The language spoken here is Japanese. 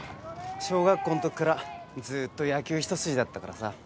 小学校んときからずっと野球一筋だったからさ。